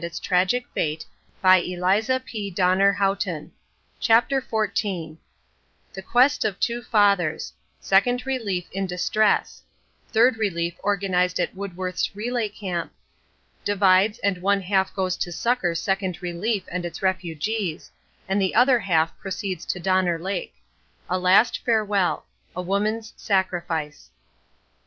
Each received the same sorrowful answer "Dead." CHAPTER XIV THE QUEST OF TWO FATHERS SECOND RELIEF IN DISTRESS THIRD RELIEF ORGANIZED AT WOODWORTH'S RELAY CAMP DIVIDES AND ONE HALF GOES TO SUCCOR SECOND RELIEF AND ITS REFUGEES; AND THE OTHER HALF PROCEEDS TO DONNER LAKE A LAST FAREWELL A WOMAN'S SACRIFICE.